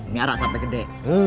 nyara sampai gede